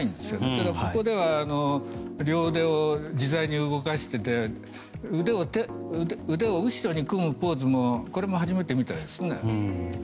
ただ、ここでは両腕を自在に動かしていて腕を後ろに組むポーズも初めて見ましたね。